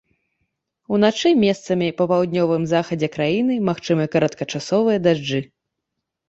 Уначы месцамі па паўднёвым захадзе краіны магчымыя кароткачасовыя дажджы.